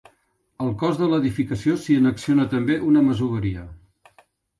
Al cos de l'edificació s'hi annexiona també una masoveria.